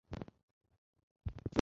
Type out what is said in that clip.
已经一个下午了